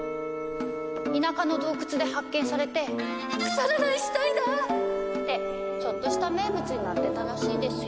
田舎の洞窟で発見されて「腐らない死体だ！」ってちょっとした名物になってたらしいですよ。